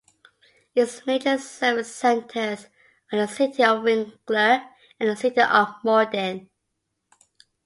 Its major service centres are the city of Winkler and the city of Morden.